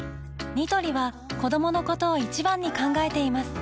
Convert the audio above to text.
ニトリは子どものことを一番に考えています